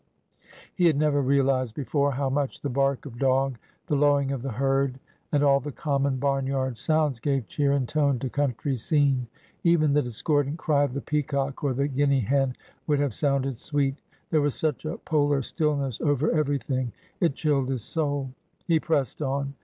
He had never realized before how much the bark of dog, the lowing of the herd, and all the common barn yard sounds gave cheer and tone to country scene. Even the discordant cry of the peacock or the guinea hen would have .sounded sweet. There was such a polar stillness over everything! It chilled his soul. He pressed on.